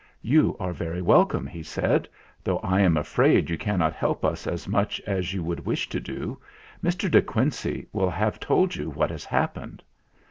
"You are very welcome," he said, "though I am afraid you cannot help us as much as you would wish to do. Mr. De Quincey will have told you what has happened."